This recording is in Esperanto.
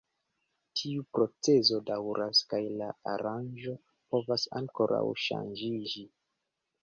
Tiu procezo daŭras kaj la aranĝo povas ankoraŭ ŝanĝiĝi.